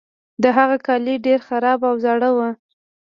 د هغه کالي ډیر خراب او زاړه وو.